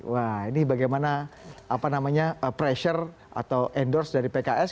wah ini bagaimana apa namanya pressure atau endorse dari pks